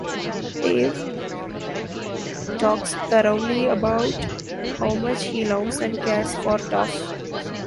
Dave talks thoroughly about how much he loves and cares for Toph.